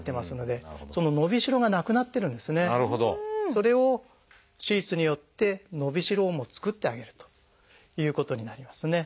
それを手術によって伸びしろを作ってあげるということになりますね。